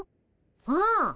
うん。